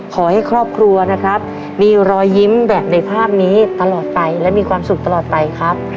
ขอให้ครอบครัวนะครับมีรอยยิ้มแบบในภาพนี้ตลอดไปและมีความสุขตลอดไปครับ